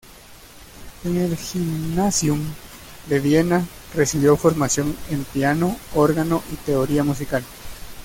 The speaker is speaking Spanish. En el Gymnasium de Viena recibió formación en piano, órgano y teoría musical.